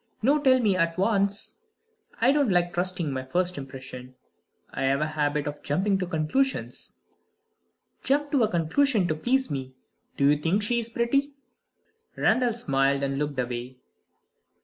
"No! tell me at once." "I don't like trusting my first impression; I have a bad habit of jumping to conclusions." "Jump to a conclusion to please me. Do you think she's pretty?" Randal smiled and looked away.